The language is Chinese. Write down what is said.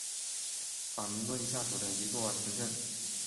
法明顿下属的一座城镇。